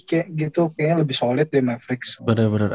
kayaknya lebih solid deh mavericks